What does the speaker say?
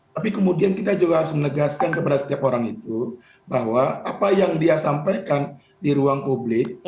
tapi kemudian kita juga harus menegaskan kepada setiap orang itu bahwa apa yang dia sampaikan di ruang publik